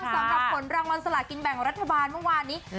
สำหรับผลรางวัลสลากินแบ่งรัฐบาลเมื่อวานนี้